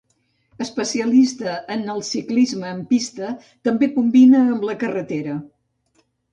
Especialista en el ciclisme en pista, també combina amb la carretera.